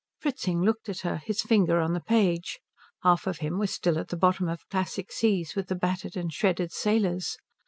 Fritzing looked at her, his finger on the page. Half of him was still at the bottom of classic seas with the battered and shredded sailors.